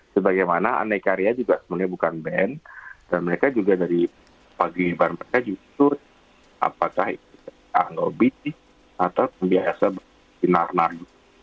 sebagaimana anekarya juga sebenarnya bukan band dan mereka juga dari pagi bar mereka justru apakah anobis atau biasa bernari nari